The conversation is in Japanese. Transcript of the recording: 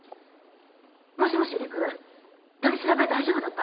もしもし陸取り調べ大丈夫だった？